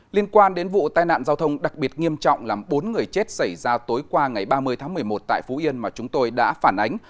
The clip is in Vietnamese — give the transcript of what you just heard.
liên quan đến vụ tai nạn giao thông đặc biệt nghiêm trọng làm bốn người chết xảy ra tối qua ngày ba mươi tháng một mươi một tại phú yên mà chúng tôi đã phản ánh